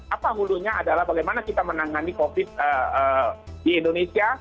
apa hulunya adalah bagaimana kita menangani covid di indonesia